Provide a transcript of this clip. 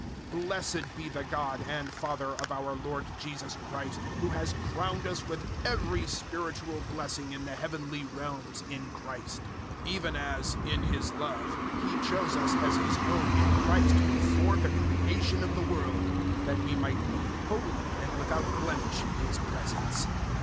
001:003 Blessed be the God and Father of our Lord Jesus Christ, who has crowned us with every spiritual blessing in the heavenly realms in Christ; 001:004 even as, in His love, He chose us as His own in Christ before the creation of the world, that we might be holy and without blemish in His presence.